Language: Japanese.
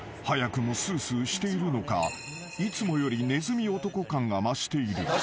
［早くもスースーしているのかいつもよりねずみ男感が増している］